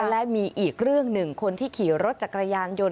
และมีอีกเรื่องหนึ่งคนที่ขี่รถจักรยานยนต